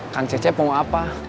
kan cecep mau apa